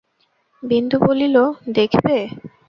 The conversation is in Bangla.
বিন্দু বলিল, দেখবে?